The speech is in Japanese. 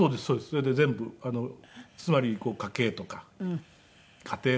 それで全部つまり家計とか。